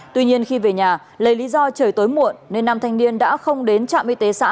tuy nhiên khi về nhà lấy lý do trời tối muộn nên nam thanh niên đã không đến trạm y tế xã